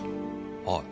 はい。